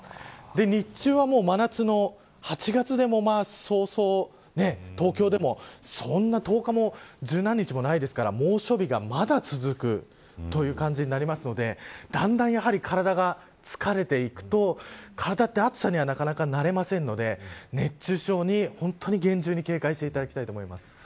日中は、もう真夏の８月でも、そうそう東京でもそんな、１０日も十何日もないですから猛暑日がまだ続くという感じになるのでだんだん体が疲れていくと体は暑さにはなかなか慣れないので熱中症に本当に厳重に警戒していただきたいと思います。